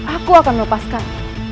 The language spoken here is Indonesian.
aku akan melepaskan